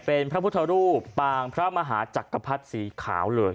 เป็นพระพุทธรูปปางพระมหาจักรพรรดิสีขาวเลย